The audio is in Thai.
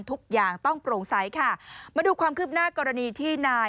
ทุกอย่างต้องโปร่งใสค่ะมาดูความคืบหน้ากรณีที่นาย